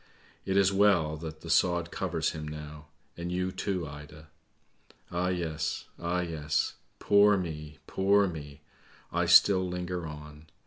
It is well that the sod covers him now, and you, too, Ida ! Ah, yes ! ah, yes ! Poor me, poor me! I still linger on.